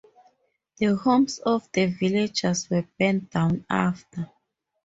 The homes of the villagers were burned down after.